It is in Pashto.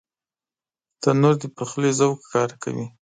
تنور د پخلي ذوق ښکاره کوي